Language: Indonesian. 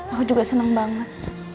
aku juga senang banget